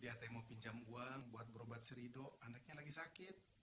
dia tadi mau pinjam uang buat berobat si ridho anaknya lagi sakit